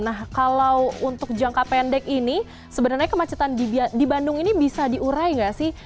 nah kalau untuk jangka pendek ini sebenarnya kemacetan di bandung ini bisa diurai nggak sih